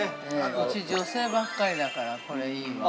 ◆うち女性ばっかりだからこれ、いいわね。